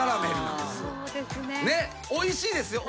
おいしいですよ